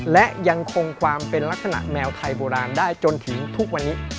และยังคงความเป็นลักษณะแมวไทยโบราณได้จนถึงทุกวันนี้